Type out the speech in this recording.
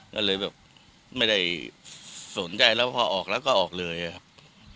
ก็เลยแบบไม่ได้สนใจแล้วพอออกแล้วก็ออกเลยครับ